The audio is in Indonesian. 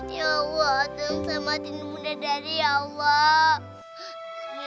ya allah selamat ini bunda dari allah